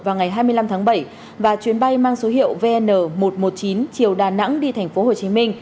vào ngày hai mươi năm tháng bảy và chuyến bay mang số hiệu vn một trăm một mươi chín chiều đà nẵng đi thành phố hồ chí minh